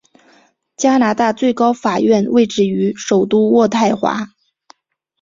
加拿大最高法院位置于首都渥太华。